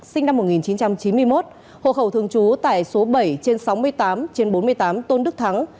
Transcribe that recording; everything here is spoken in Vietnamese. sinh năm một nghìn chín trăm chín mươi một hộ khẩu thường trú tại số bảy trên sáu mươi tám trên bốn mươi tám tôn đức thắng